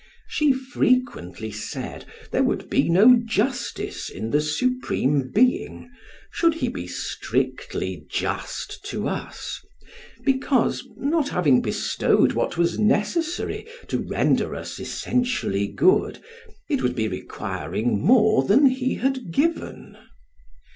She frequently said there would be no justice in the Supreme Being should He be strictly just to us; because, not having bestowed what was necessary to render us essentially good, it would be requiring more than he had given.